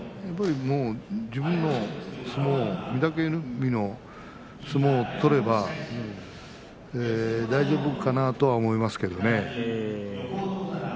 やっぱり自分の相撲御嶽海の相撲を取れば大丈夫かなとは思いますけどね。